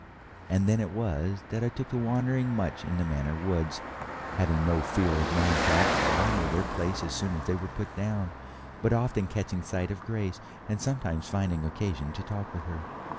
And then it was that I took to wandering much in the Manor woods, having no fear of man traps, for I knew their place as soon as they were put down, but often catching sight of Grace, and sometimes finding occasion to talk with her.